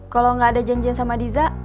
kalau nggak ada janjian sama diza